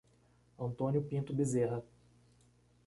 Antônio Pinto Beserra